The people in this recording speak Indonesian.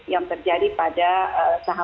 yang terjadi pada sahapan penyelenggaraan